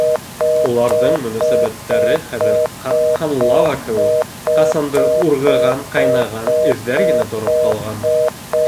Уларҙың мөнәсәбәттәре хәҙер ҡатҡан лава кеүек: ҡасандыр урғыған, ҡайнаған эҙҙәр генә тороп ҡалған.